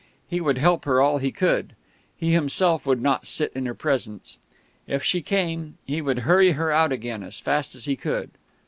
He would help her all he could. He himself would not sit in her presence. If she came, he would hurry her out again as fast as he could....